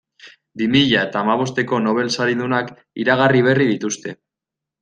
Bi mila eta hamabosteko Nobel saridunak iragarri berri dituzte.